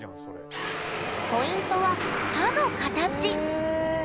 ポイントは歯の形。